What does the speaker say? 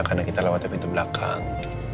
karena kita lewat dari pintu belakang